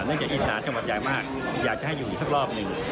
จากอีสานจังหวัดใหญ่มากอยากจะให้อยู่อีกสักรอบหนึ่ง